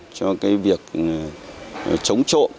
cho cái việc chống trộn